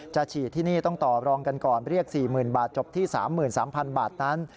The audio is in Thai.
ฉีดที่นี่ต้องต่อรองกันก่อนเรียก๔๐๐๐บาทจบที่๓๓๐๐๐บาทนั้น